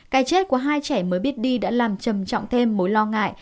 cái chết của hai trẻ mới biết đi đã làm trầm trọng thêm mối lo ngại